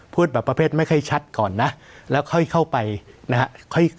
พูดแบบประเภทไม่ค่อยชัดก่อนนะแล้วค่อยเข้าไปนะฮะ